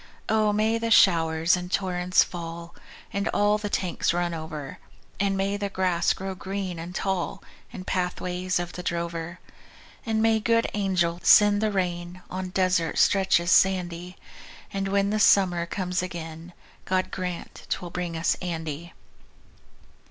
Oh, may the showers in torrents fall, And all the tanks run over; And may the grass grow green and tall In pathways of the drover; And may good angels send the rain On desert stretches sandy; And when the summer comes again God grant 'twill bring us Andy.